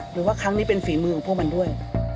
หรือว่าครั้งนี้เป็นฝีมือของพวกมันด้วย